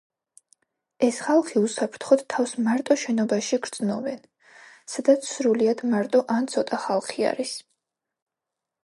ეს ხალხი უსაფრთხოდ თავს მარტო შენობაში გრძნობენ, სადაც სრულიად მარტო ან ცოტა ხალხი არის.